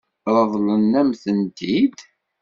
Ṛeḍlen-am-tent-id?